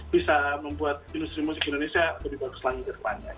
bisa membuat industri musik indonesia lebih bagus lagi ke depannya